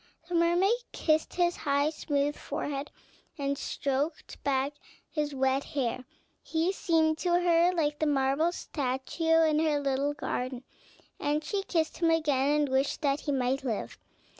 The mermaid kissed his high, smooth forehead, and stroked back his wet hair; he seemed to her like the marble statue in her little garden, and she kissed him again, and wished that he might live.